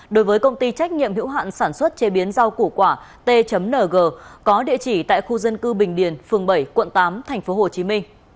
đối với công ty trách nhiệm hữu hạn sản xuất chế biến rau củ quả tng có địa chỉ tại khu dân cư bình điền phường bảy quận tám tp hcm